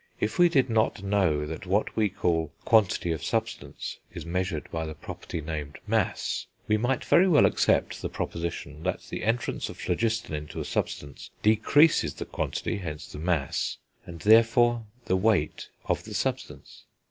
If we did not know that what we call quantity of substance is measured by the property named mass, we might very well accept the proposition that the entrance of phlogiston into a substance decreases the quantity, hence the mass, and, therefore, the weight, of the substance.